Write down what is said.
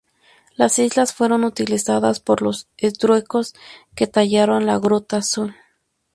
Las islas fueron utilizadas por los etruscos que tallaron la "Gruta azul".